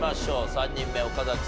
３人目岡崎さん